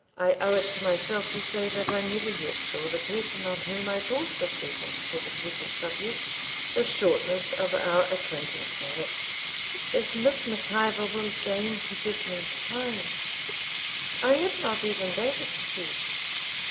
'I owe it to myself to say that I never yet saw the person on whom I thought with reference to the present subject.' 'The shortness of our acquaintance, perhaps If Miss Mac Ivor will deign to give me time ' 'I have not even that excuse.